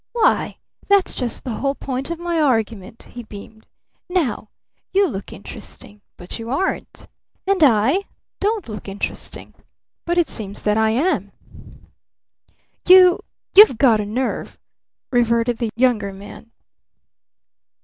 "Why, that's just the whole point of my argument," he beamed. "Now you look interesting. But you aren't! And I don't look interesting. But it seems that I am!" "You you've got a nerve!" reverted the Younger Man.